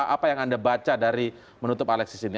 apa yang anda baca dari menutup alexis ini